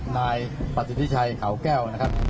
นายปฏิพิชัยเขาแก้วนะครับ